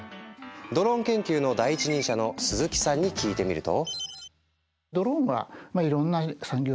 ドローン研究の第一人者の鈴木さんに聞いてみると。